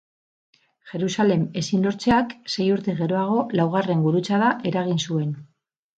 Jerusalem ezin lortzeak sei urte geroago Laugarren Gurutzada eragin zuen.